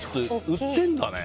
売ってるんだね。